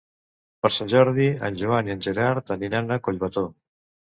Per Sant Jordi en Joan i en Gerard aniran a Collbató.